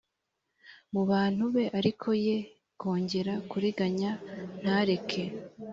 mu bantu be ariko ye kongera kuriganya ntareke